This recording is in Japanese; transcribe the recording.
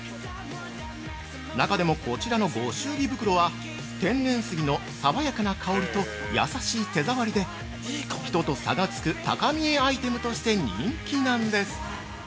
中でもこちらのご祝儀袋は、天然杉の爽やかな香りと優しい手触りで人と差がつく高見えアイテムとして人気なんです！